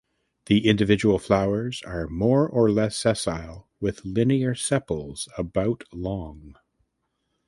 The individual flowers are more or less sessile with linear sepals about long.